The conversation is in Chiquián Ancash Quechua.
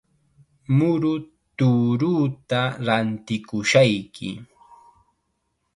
Muru tuuruuta rantikushayki.